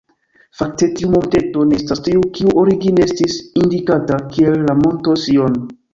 Fakte tiu monteto ne estas tiu kiu origine estis indikata kiel la Monto Sion.